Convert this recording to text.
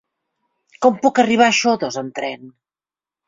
Com puc arribar a Xodos amb tren?